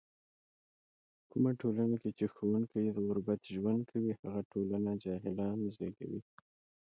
کومه ټولنه کې چې ښوونکی د غربت ژوند کوي، هغه ټولنه جاهلان زږوي.